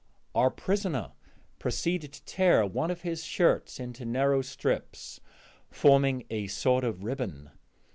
Our prisoner proceeded to tear one of his shirts into narrow strips, forming a sort of ribbon.